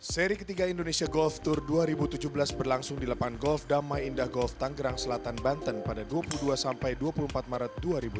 seri ketiga indonesia golf tour dua ribu tujuh belas berlangsung di lapangan golf damai indah golf tanggerang selatan banten pada dua puluh dua sampai dua puluh empat maret dua ribu delapan belas